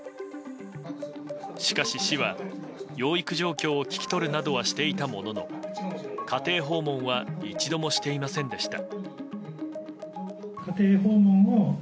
しかし市は養育状況を聞き取るなどはしていたものの家庭訪問は一度もしていませんでした。